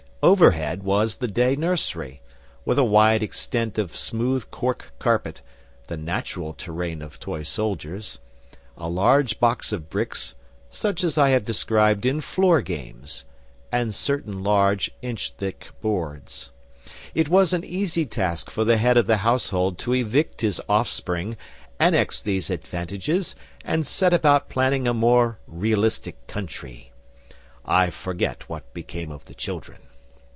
Overhead was the day nursery, with a wide extent of smooth cork carpet (the natural terrain of toy soldiers), a large box of bricks such as I have described in Floor Games and certain large inch thick boards. It was an easy task for the head of the household to evict his offspring, annex these advantages, and set about planning a more realistic country. (I forget what became of the children.)